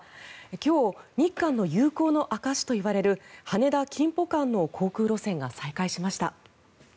今日日韓の友好の証しといわれる羽田金浦間の航空路線が再開しました。